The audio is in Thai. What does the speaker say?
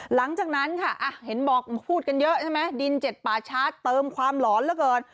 หลังจากนั้นค่ะเห็นบอกพูดกันเยอะใช่ไหมดินเจ็ดป่าชาร์จเติมความหลอนเหลือเกิน